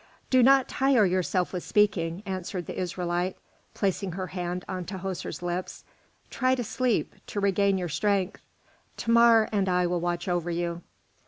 "Do not tire yourself with speaking," answered the Israelite, placing her hand on Tahoser's lips. "Try to sleep, to regain your strength. Thamar and I will watch over you."